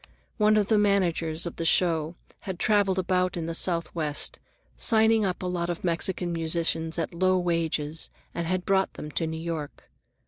One of the managers of the show had traveled about the Southwest, signing up a lot of Mexican musicians at low wages, and had brought them to New York.